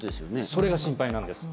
それが心配なんです。